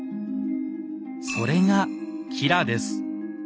それが吉良です。